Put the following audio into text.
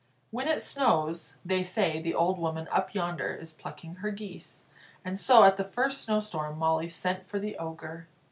When it snows, they say the old woman up yonder is plucking her geese, and so at the first snowstorm Molly sent for the Ogre.